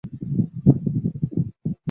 泰宁尚书墓的历史年代为明。